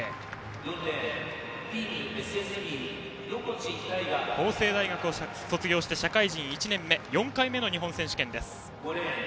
横地大雅は、法政大学を卒業し社会人１年目４回目の日本選手権です。